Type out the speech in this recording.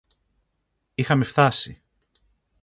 Είχαμε φθάσει.